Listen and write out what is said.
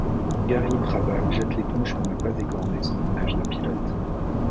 Gary Brabham jette l'éponge pour de ne pas écorner son image de pilote.